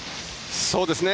そうですね。